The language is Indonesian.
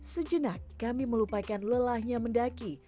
sejenak kami melupakan lelahnya mendaki